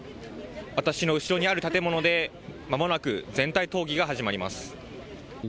私の後ろにある建物でまもなく全体討議が始まります。